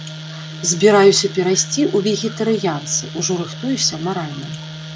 Збіраюся перайсці ў вегетарыянцы, ужо рыхтуюся маральна.